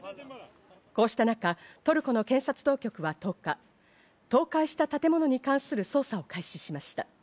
こうした中、トルコの検察当局は１０日、倒壊した建物に関する捜査を開始しました。